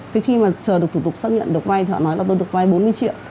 từ khi mà chờ được thủ tục xác nhận được vay thì họ nói là tôi được vay bốn mươi triệu